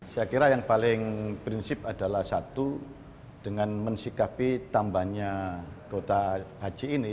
saya kira yang paling prinsip adalah satu dengan mensikapi tambahnya kuota haji ini